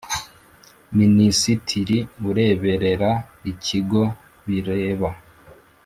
Minisitiri ureberera ikigo bireba .